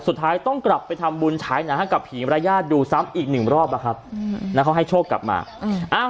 สุดท้ายต้องกลับไปทำบุญใช้หนังกับผีมรญญาติดูซ้ำอีก๑รอบนะครับแล้วเขาให้โชคกลับมา